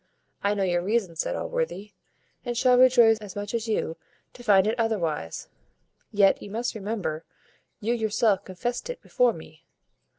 "I know your reason," said Allworthy, "and shall rejoice as much as you to find it otherwise; yet you must remember, you yourself confest it before me."